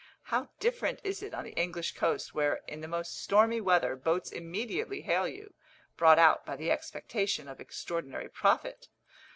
How different is it on the English coast, where, in the most stormy weather, boats immediately hail you, brought out by the expectation of extraordinary profit.